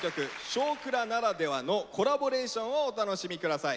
「少クラ」ならではのコラボレーションをお楽しみ下さい。